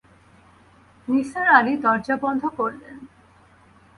নিসার আলি দরজা বন্ধ করলেন।